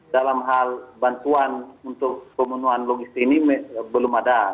dalam hal bantuan untuk pemenuhan logistik ini belum ada